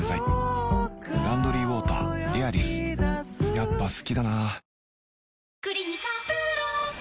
やっぱ好きだな